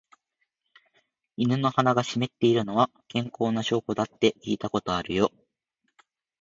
犬の鼻が湿っているのは、健康な証拠だって聞いたことあるよ。